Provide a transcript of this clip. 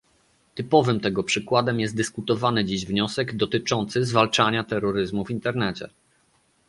Typowym tego przykładem jest dyskutowany dziś wniosek dotyczący zwalczania terroryzmu w Internecie